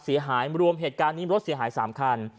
เสียหายรวมเหตุการณ์นี้รถเสียหาย๓คัน